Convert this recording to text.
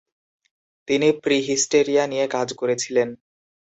তিনি প্রিহিস্টেরিয়া নিয়ে কাজ করেছিলেন।